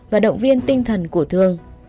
và động viên tinh thần của em thương